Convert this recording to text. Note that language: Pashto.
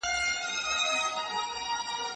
کتابونه د زده کوونکو له خوا لوستل کيږي؟!